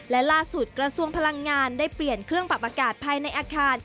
และล่าสุดกระทรวงพลังงานได้เปลี่ยนเครื่องปรับอากาศภายในอาคาร